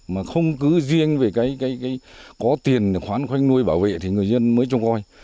mà không cứ riêng về cái có tiền khoán khoanh nuôi bảo vệ thì người dân mới cho coi